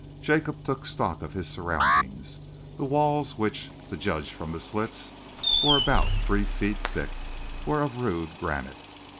Jacob took stock of his surroundings. The walls which, to judge from the slits, were about three feet thick, were of rude granite.